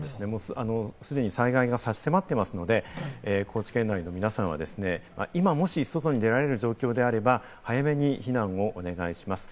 すでに災害が差し迫っていますので、高知県内の皆さんは今もし外に出られるような状況であれば、早めに避難をお願いします。